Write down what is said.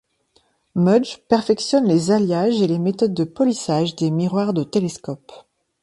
Mudge perfectionne les alliages et les méthodes de polissage des miroirs de télescopes.